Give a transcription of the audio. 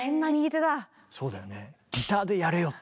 そうだよね。